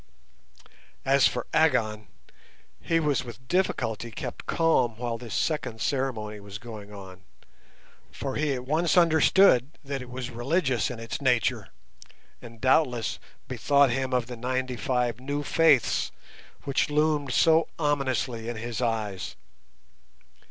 As for Agon, he was with difficulty kept calm while this second ceremony was going on, for he at once understood that it was religious in its nature, and doubtless bethought him of the ninety five new faiths which loomed so ominously in his eyes.